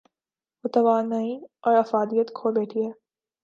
وہ توانائی اورافادیت کھو بیٹھی ہے۔